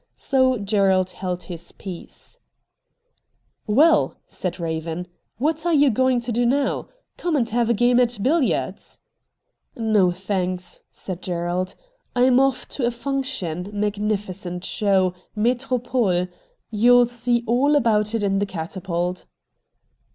So Gerald held his peace. 94 RED DIAMONDS * Well !' said Eaven, ' what are you going to do now ? Come and have a game at billiards ?'' No, thanks,' said Gerald. ' I'm off to a function, magnificent show, Metropole — you'll see all about it in the ' Catapult.'